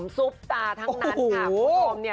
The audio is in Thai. ซุบตาทั้งนั้น